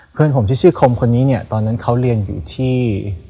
เพื่อนผมที่ชื่อคมคนนี้เนี่ยตอนนั้นเขาเรียนอยู่ที่